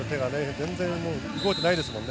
全然動いてないですもんね。